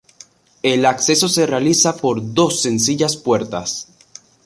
El acceso se realiza por dos sencillas puertas.